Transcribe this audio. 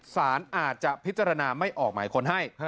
สารอาจจะพิจารณาไม่ออกหมายค้นให้